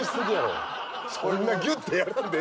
そんなギュッてやらんでええ。